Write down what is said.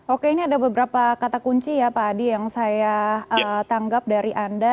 oke ini ada beberapa kata kunci ya pak adi yang saya tanggap dari anda